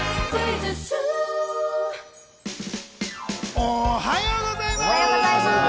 おはようございます！